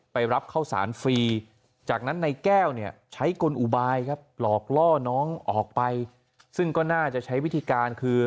รับเข้าสารฟรีจากนั้นในแก้วเนี่ยใช้กลอุบายครับหลอกล่อน้องออกไปซึ่งก็น่าจะใช้วิธีการคือ